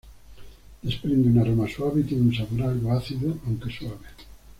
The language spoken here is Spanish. Desprende un aroma suave y tiene un sabor algo ácido, aunque suave.